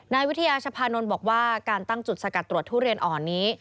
นายวิทยาชภานนท์บอกว่าการตั้งจุดสกัดตรวจทุเรียนอ่อนนี้